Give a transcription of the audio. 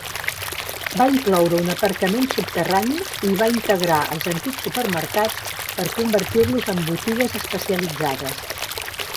Va incloure un aparcament subterrani i hi va integrar els antics supermercats per convertir-los en botigues especialitzades.